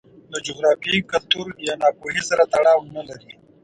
له جغرافیې، کلتور یا ناپوهۍ سره تړاو نه لري.